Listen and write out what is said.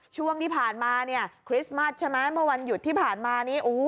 ช่วงที่ผ่านมาเนี่ยคริสต์มัสใช่ไหมเมื่อวันหยุดที่ผ่านมานี้